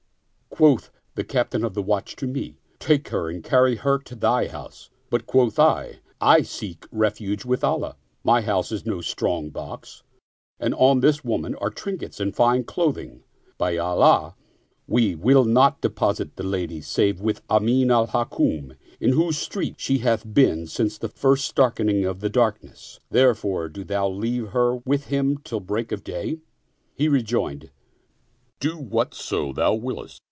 Quoth the Captain of the watch to me, " Take her and carry her to thy house "; but quoth I, " I seek refuge with Allah ! My house is no strong box and on this woman are trinkets and fine clothing. By Allah, we will not deposit the lady save with Amin al Hukm, in whose street she hath been since the first starkening of the darkness ; therefore do thou leave her with him till the break of day." He rejoined, " Do whatso thou wiliest."